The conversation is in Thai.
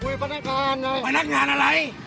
คุยพนักงานเลยพนักงานอะไร